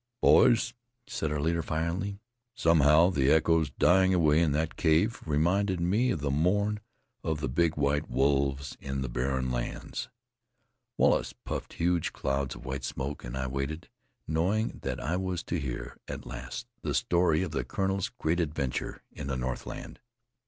"Boys," said our leader finally, "somehow the echoes dying away in that cave reminded me of the mourn of the big white wolves in the Barren Lands." Wallace puffed huge clouds of white smoke, and I waited, knowing that I was to hear at last the story of the Colonel's great adventure in the Northland.